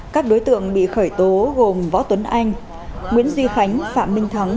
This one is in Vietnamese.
các đối tượng bị khởi tố gồm võ tuấn anh nguyễn duy khánh phạm minh thắng